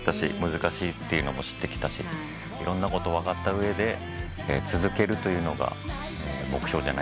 難しいっていうのも知ってきたしいろんなこと分かった上で続けるというのが目標じゃないでしょうか。